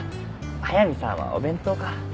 速見さんはお弁当か。